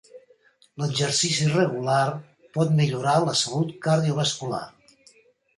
L'exercici regular pot millorar la salut cardiovascular.